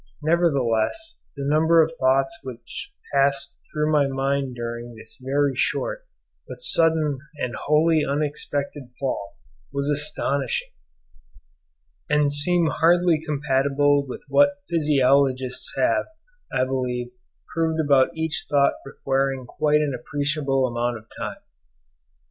Nevertheless the number of thoughts which passed through my mind during this very short, but sudden and wholly unexpected fall, was astonishing, and seem hardly compatible with what physiologists have, I believe, proved about each thought requiring quite an appreciable amount of time.